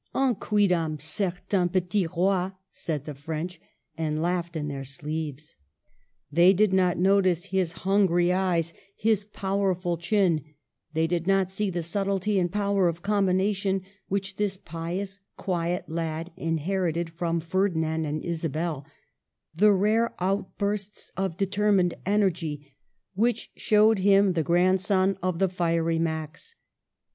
*' Un quidam cer tain petit roi," said the French, and laughed in their sleeves. They did not notice his hungry eyes, his powerful chin ; they did not see the subtlety and power of combination which this pious, quiet lad inherited from Ferdinand and Isabel, — the rare outbursts of determined en ergy which showed him the grandson of the fiery Max.